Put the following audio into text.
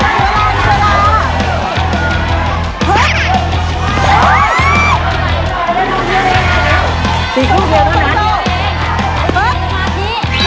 แม็กคิว